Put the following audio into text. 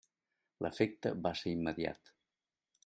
L'efecte va ser immediat.